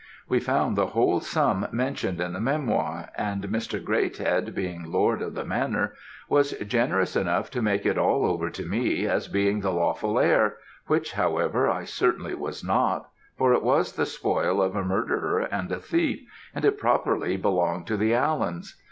We found the whole sum mentioned in the memoir, and Mr. Greathead being lord of the manor, was generous enough to make it all over to me, as being the lawful heir, which, however, I certainly was not, for it was the spoil of a murderer and a thief, and it properly belonged to the Allens.